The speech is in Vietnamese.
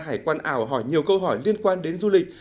hải quan ảo hỏi nhiều câu hỏi liên quan đến du lịch